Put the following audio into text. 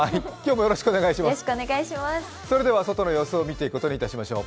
それでは外の様子を見ていくことにいたしましょう。